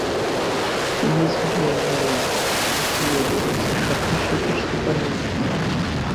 Lois Joanne Lane, আমাকে এই ইউনিভার্সের সবচেয়ে সুখী সুপারম্যান বানিয়ে তোলো।